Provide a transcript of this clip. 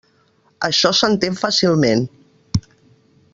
Això s'entén fàcilment.